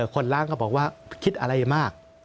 คนล้างก็บอกว่าคิดอะไรมาก